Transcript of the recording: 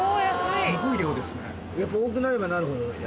すごい量ですね。